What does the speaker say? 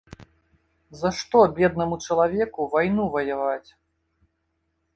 За што беднаму чалавеку вайну ваяваць?